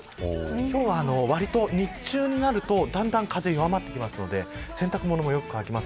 今日は、わりと日中になるとだんだん風が弱まってきますので洗濯物もよく乾きます。